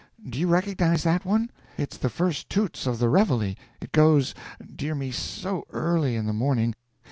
Do you recognize that one? It's the first toots of the reveille; it goes, dear me, so early in the morning!